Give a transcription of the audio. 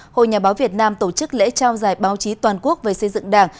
hội nhà báo việt nam tổ chức lễ trao giải báo chí toàn quốc về xây dựng đảng